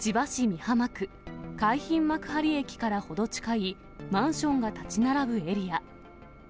海浜幕張駅から程近い、マンションが建ち並ぶエリア。